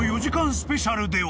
スペシャルでは］